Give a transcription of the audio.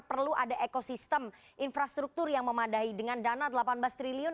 perlu ada ekosistem infrastruktur yang memadahi dengan dana delapan belas triliun